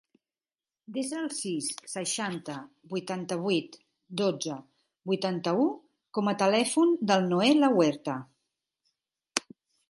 Desa el sis, seixanta, vuitanta-vuit, dotze, vuitanta-u com a telèfon del Noè Lahuerta.